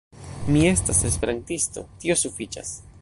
Mi estas Esperantisto, tio sufiĉas.